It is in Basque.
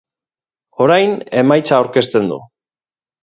Orain, emaitza aurkezten du.